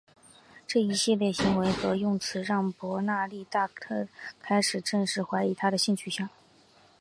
这一系列行为和用词让伯纳黛特开始正式怀疑他的性取向。